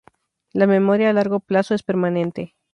La memoria a largo plazo es permanente.